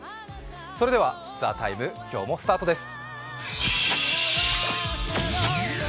それでは「ＴＨＥＴＩＭＥ，」今日もスタートです。